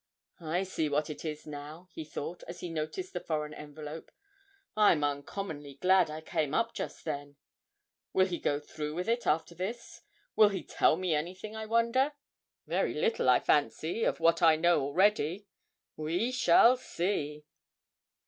'I see what it is now,' he thought, as he noticed the foreign envelope, 'I'm uncommonly glad I came up just then. Will he go through with it after this? Will he tell me anything, I wonder? Very little, I fancy, of what I know already. We shall see.'